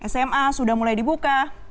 sma sudah mulai dibuka